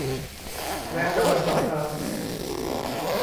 และน้ำมันมะพร้าว